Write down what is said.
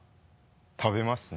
食べますね。